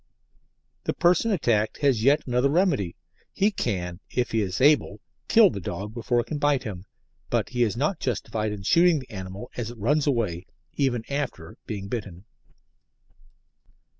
The person attacked has yet another remedy. He can, if he is able, kill the dog before it can bite him, but he is not justified in shooting the animal as it runs away, even after being bitten.